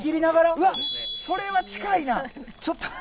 うわそれは近いな！